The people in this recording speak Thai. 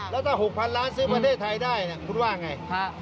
แล้วถ้า๖๐๐๐ล้านซื้อประเทศไทยได้คุณว่าไง